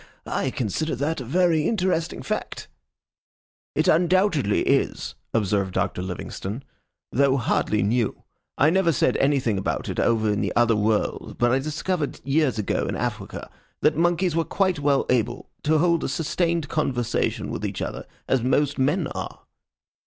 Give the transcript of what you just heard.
I consider that a very interesting fact." "It undoubtedly is," observed Doctor Livingstone, "though hardly new. I never said anything about it over in the other world, but I discovered years ago in Africa that monkeys were quite as well able to hold a sustained conversation with each other as most men are."